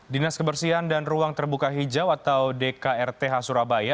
dinas kebersihan dan ruang terbuka hijau atau dkrth surabaya